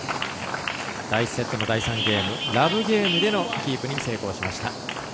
第１セットの第３ゲームラブゲームでのキープに成功しました。